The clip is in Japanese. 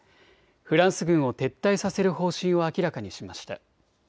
フランス軍を撤退させる方針を明らかにしました。